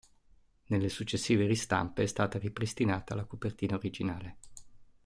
Nelle successive ristampe è stata ripristinata la copertina originale.